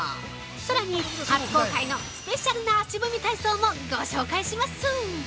さらに、初公開のスペシャルな足踏み体操もご紹介します！